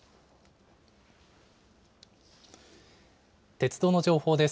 鉄道の情報です。